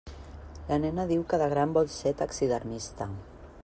La nena diu que de gran vol ser taxidermista.